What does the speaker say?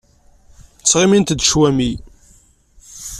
Ttɣimint-d cwami.